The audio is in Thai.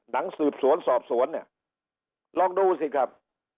หนังสือสืบสวนสอบสวนเนี่ยลองดูสิครับ